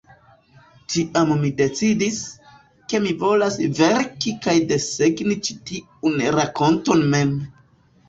Tiam mi decidis, ke mi volas verki kaj desegni ĉi tiun rakonton mem.